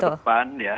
minggu depan ya